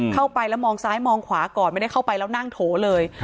เข้าไปแล้วมองซ้ายมองขวาก่อนไม่ได้เข้าไปแล้วนั่งโถเลย